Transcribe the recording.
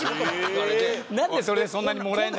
なんでそれでそんなにもらえるの？